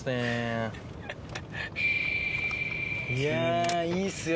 いやいいっすよ